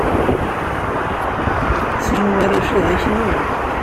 Sin warrac-a d akniwen.